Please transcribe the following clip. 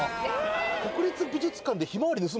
国立美術館でひまわり盗む